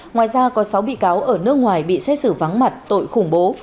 ngoài ra có sáu bị cáo ở nước ngoài bị xét xử vắng mặt tội khủng bố